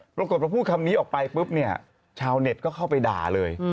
ปรากฏพอพูดคำนี้ออกไปปุ๊บเนี่ยชาวเน็ตก็เข้าไปด่าเลย